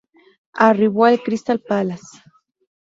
Arribó al Crystal Palace.